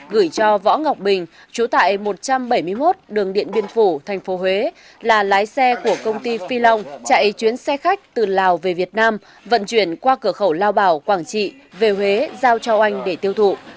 gửi cho võ ngọc bình chú tại một trăm bảy mươi một đường điện biên phủ tp huế là lái xe của công ty phi long chạy chuyến xe khách từ lào về việt nam vận chuyển qua cửa khẩu lao bảo quảng trị về huế giao cho oanh để tiêu thụ